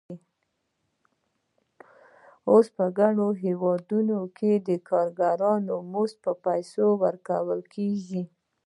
اوس په ګڼو هېوادونو کې د کارګرانو مزد په پیسو ورکول کېږي